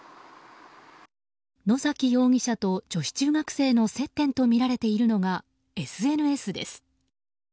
野崎容疑者と女子中学生の接点とみられているのがＳＮＳです。